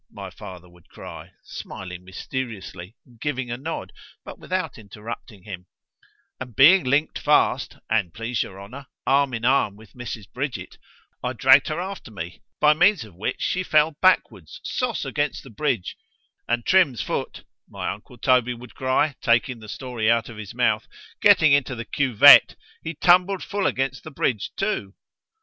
_ my father would cry——(smiling mysteriously, and giving a nod—but without interrupting him)——and being link'd fast, an' please your honour, arm in arm with Mrs. Bridget, I dragg'd her after me, by means of which she fell backwards soss against the bridge——and Trim's foot (my uncle Toby would cry, taking the story out of his mouth) getting into the cuvette, he tumbled full against the bridge too.